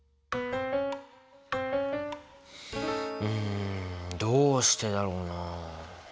うんどうしてだろうなあ。